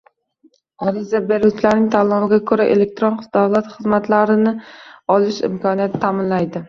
ariza beruvchilarning tanloviga ko‘ra elektron davlat xizmatlarini olish imkoniyatini ta’minlaydi;